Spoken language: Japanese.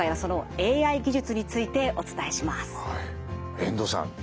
遠藤さん